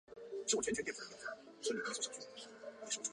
但是当时长崎圆喜之子内管领长崎高资的权势比高时还要强大。